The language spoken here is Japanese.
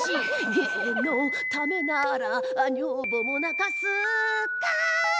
「芸のためなら女房も泣かす」たん。